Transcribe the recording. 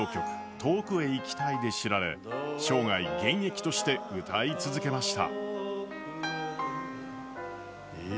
「遠くへ行きたい」で知られ生涯現役として歌い続けました。